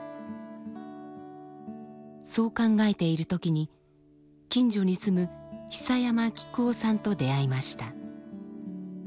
そう考えている時に近所に住む久山喜久雄さんと出会いました。